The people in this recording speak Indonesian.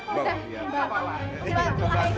sekolahannya manja negoro